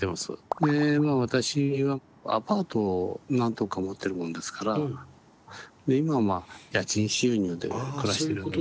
で私はアパートを何棟か持ってるもんですからで今は家賃収入で暮らしてるような。